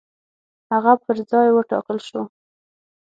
هغه پر ځای وټاکل شو.